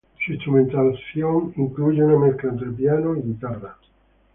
Su instrumentación incluye una mezcla entre piano y guitarra.